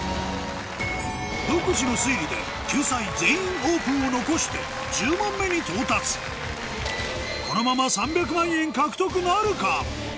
独自の推理で救済「全員オープン」を残して１０問目に到達このまま３００万円獲得なるか？